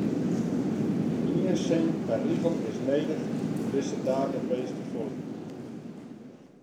Ien sin per rigel is nedich om dizze database te foljen.